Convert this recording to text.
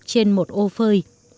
trên một ô phơi